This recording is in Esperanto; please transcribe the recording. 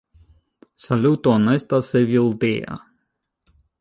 "Saluton, estas Evildea.